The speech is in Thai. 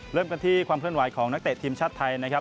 เริ่มกันที่ความเคลื่อนไหวของนักเตะทีมชาติไทยนะครับ